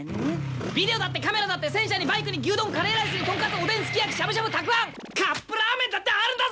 ビデオだってカメラだって戦車にバイクに牛丼カレーライスにとんかつおでんすき焼きしゃぶしゃぶたくあんカップラーメンだってあるんだぞ。